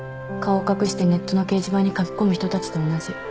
顔を隠してネットの掲示板に書き込む人たちと同じ。